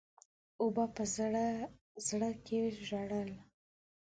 او په زړه زړه کي ژړل.